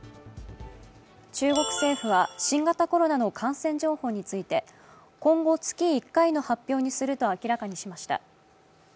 中国政府は新型コロナの感染情報について、今後、月１回の発表にすると明らかにしました。